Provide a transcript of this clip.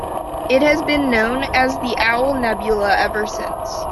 It has been known as the Owl Nebula ever since.